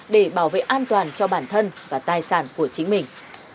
để bảo vệ an toàn cho bản thân và tài sản của chính mình